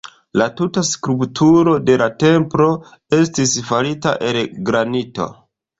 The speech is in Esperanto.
La tuta strukturo de la templo estis farita el granito.